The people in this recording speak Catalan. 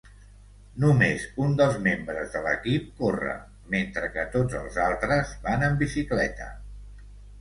Només un dels membres de l'equip corre, mentre que tots els altres van en bicicleta.